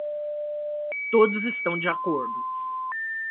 Todos estão de acordo.